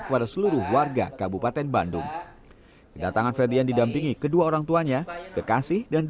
kepada seluruh warga kabupaten bandung kedatangan ferdian didampingi kedua orang tuanya kekasih dan